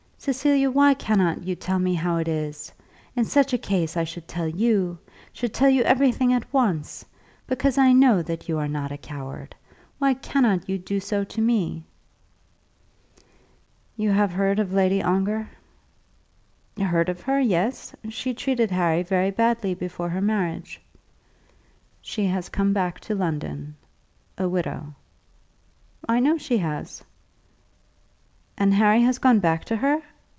Cecilia, why cannot you tell me how it is? In such a case I should tell you, should tell you everything at once; because I know that you are not a coward. Why cannot you do so to me?" "You have heard of Lady Ongar?" "Heard of her; yes. She treated Harry very badly before her marriage." "She has come back to London, a widow." "I know she has. And Harry has gone back to her!